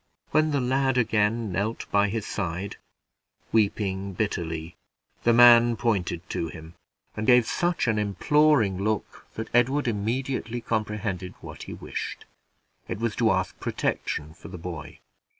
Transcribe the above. When the lad again knelt by his side, weeping bitterly, the man pointed to him, and gave such an imploring look that Edward immediately comprehended what he wished: it was to ask protection for the boy.